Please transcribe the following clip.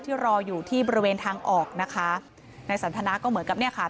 รออยู่ที่บริเวณทางออกนะคะนายสันทนาก็เหมือนกับเนี่ยค่ะ